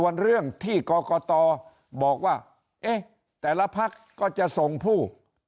ส่วนเรื่องที่กรกตบอกว่าเอ๊ะแต่ละพักก็จะส่งผู้